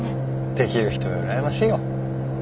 できる人は羨ましいよ。